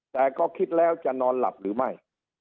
แต่ก็คิดแล้วจะนอนหลับหรือไม่